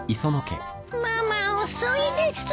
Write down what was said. ママ遅いです。